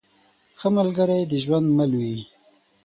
ښه ملګری د ژوند مل وي.